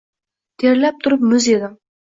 Terlab turib muz yedim.